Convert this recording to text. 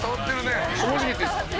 正直言っていいですか？